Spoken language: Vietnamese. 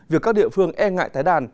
việc các địa phương e ngại tái đàn